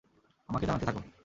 আমাকে জানাতে থাকো।